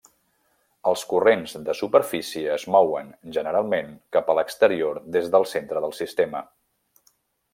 Els corrents de superfície es mouen, generalment, cap a l'exterior des del centre del sistema.